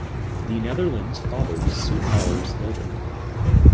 The Netherlands followed suit hours later.